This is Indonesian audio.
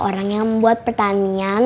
orang yang membuat pertanian